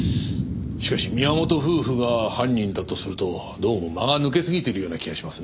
しかし宮本夫婦が犯人だとするとどうも間が抜けすぎているような気がしますねぇ。